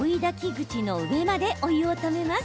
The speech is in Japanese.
口の上までお湯をためます。